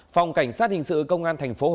phòng cảnh sát hình sự công an thành phố hà thị huệ